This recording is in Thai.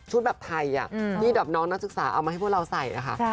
ชุดแบบไทยอะที่แบบน้องนักศึกษาเอามาให้พวกเราใส่ค่ะใช่ค่ะ